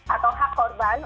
atau hak korban